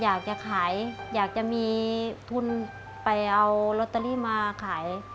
อยากจะขายอยากจะมีทุนไปเอาลอตเตอรี่มาขาย